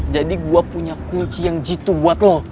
jadi gue punya kunci yang jitu buat lo